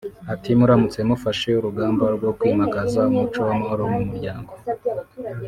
Ati “Muramutse mufashe urugamba rwo kwimakaza umuco w’amahoro mu muryango